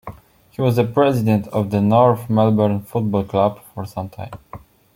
He was the President of the North Melbourne Football Club for some time.